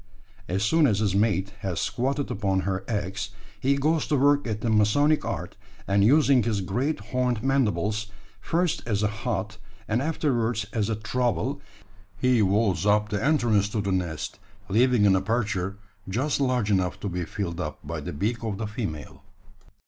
As soon as his mate has squatted upon her eggs, he goes to work at the masonic art; and using his great horned mandibles, first as a hod, and afterwards as a trowel, he walls up the entrance to the nest leaving an aperture just large enough to be filled up by the beak of the female.